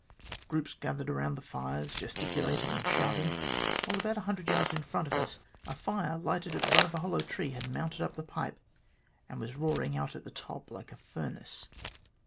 Groups gathered around the fires, gesticula ting and shouting, while about a hundred yards in front of us a lire lighted at the butt of a hollow tree had mounted up the pipe, and was roaring out at the top like a furnace.